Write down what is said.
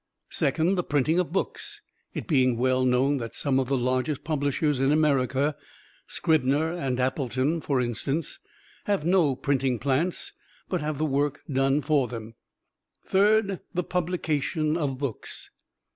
Second, the printing of books (it being well known that some of the largest publishers in America Scribner and Appleton, for instance have no printing plants, but have the work done for them). Third, the publication of books.